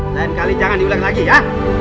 lain kali jangan diulang lagi ya